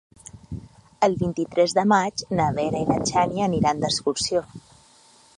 El vint-i-tres de maig na Vera i na Xènia iran d'excursió.